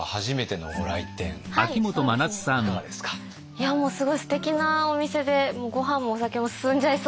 いやもうすごいすてきなお店でごはんもお酒も進んじゃいそうな。